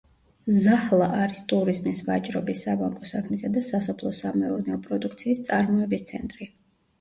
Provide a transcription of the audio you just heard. ზაჰლა არის ტურიზმის, ვაჭრობის, საბანკო საქმისა და სასოფლო-სამეურნეო პროდუქციის წარმოების ცენტრი.